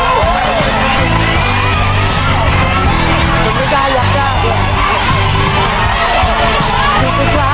บ้าจริงแล้วน่าที่เก่าโอ้เออเอออ่ะ